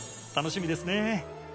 楽しみですね